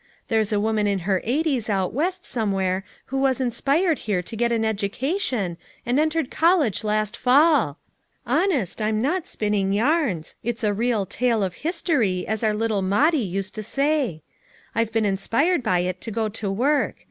There's a woman in her eighties out west somewhere who was inspired here to get an education, and entered college last fall; honest, I'm not spinning yarns, it's a real 'tale of history' as our little Mandie used to say. I've been inspired by it to go to work.